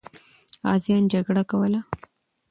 غازیان جګړه کوله.